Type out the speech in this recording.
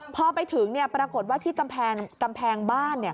พอไปถึงปรากฏว่าที่กำแพงบ้าน